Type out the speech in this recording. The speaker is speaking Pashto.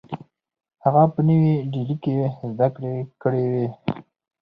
هغه په نوې ډیلي کې زدکړې کړې وې